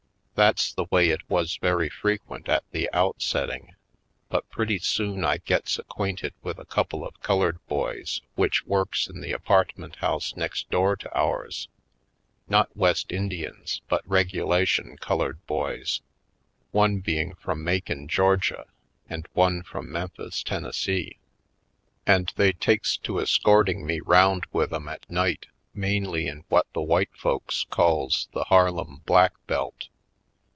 That's the way it was very frequent at the outsetting. But pretty soon I gets ac quainted with a couple of colored boys which works in the apartment house next door to ours — not West Indians but regula tion colored boys, one being from Macon, Georgia, and one from MempTiis, Tennes 144 /. Poindextery Colored see — and they takes to escorting me round with 'em at night, mainly in what the white folks calls the Harlem Black Belt.